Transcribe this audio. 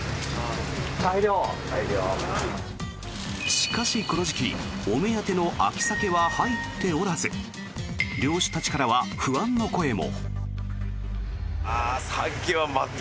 しかし、この時期お目当ての秋サケは入っておらず漁師たちからは不安の声も。